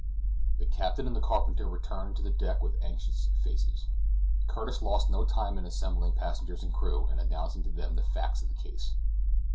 The captain and the carpenter returned to the deck with anxious faces. Curtis lost no time in assembling passengers and crew, and announcing to them the facts of the case.